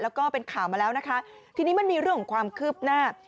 แล้วก็เป็นข่าวมาแล้วนะคะทีนี้มันมีเรื่องของความคืบหน้า